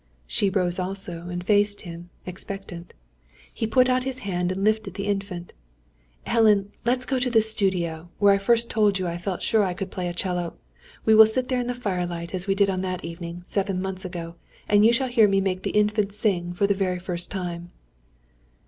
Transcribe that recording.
She rose also, and faced him, expectant. He put out his hand and lifted the Infant. "Helen, let's go to the studio, where I first told you I felt sure I could play a 'cello. We will sit there in the firelight as we did on that last evening, seven months ago, and you shall hear me make the Infant sing, for the very first time."